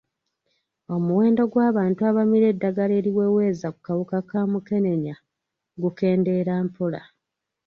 Omuwendo gw'abantu abamira eddagala eriweweeza ku kawuka ka mukenenya gukendeera mpola.